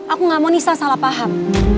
aku gak mau nisa salah paham